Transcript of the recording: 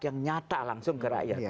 yang nyata langsung ke rakyat